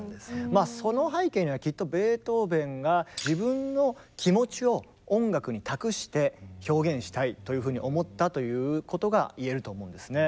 まあその背景にはきっとベートーベンが自分の気持ちを音楽に託して表現したいというふうに思ったということが言えると思うんですね。